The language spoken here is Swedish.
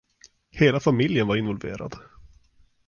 Hela familjen var involverad.